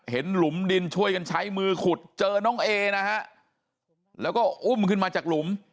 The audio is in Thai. หลุมดินช่วยกันใช้มือขุดเจอน้องเอนะฮะแล้วก็อุ้มขึ้นมาจากหลุม